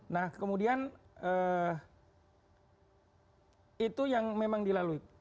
nah kemudian itu yang memang dilalui